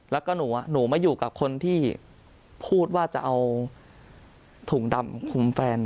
แล้วก็หนูมาอยู่กับคนที่พูดว่าจะเอาถุงดำคุมแฟน